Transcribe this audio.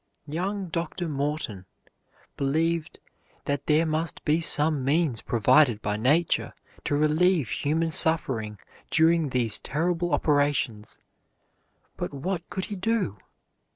Young Dr. Morton believed that there must be some means provided by Nature to relieve human suffering during these terrible operations; but what could he do?